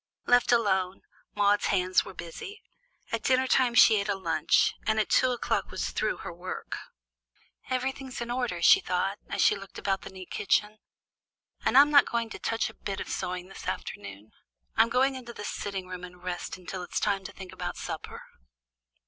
Left alone, Maude's hands were busy. At dinner time she ate a lunch, and at two o'clock was through her work. "Everything's in order," she thought, as she looked about the neat kitchen. "And I'm not going to touch a bit of sewing this afternoon. I'll go into the sitting room and rest until it's time to think about supper."